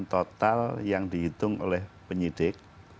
itu paling tidak